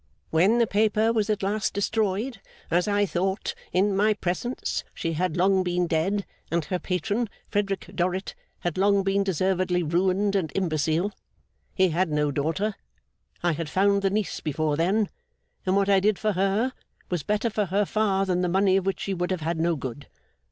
When the paper was at last destroyed as I thought in my presence, she had long been dead, and her patron, Frederick Dorrit, had long been deservedly ruined and imbecile. He had no daughter. I had found the niece before then; and what I did for her, was better for her far than the money of which she would have had no good.